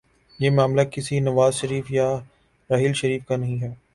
یہ معاملہ کسی نواز شریف یا راحیل شریف کا نہیں ہے۔